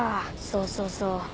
そうそうそう。